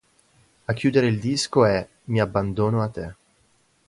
A chiudere il disco è "Mi abbandono a te".